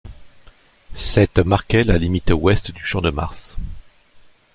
Cette marquait la limite ouest du Champ de Mars.